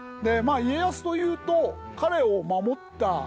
家康というと彼を守った家来。